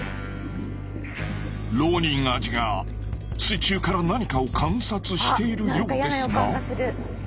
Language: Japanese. ロウニンアジが水中から何かを観察しているようですが。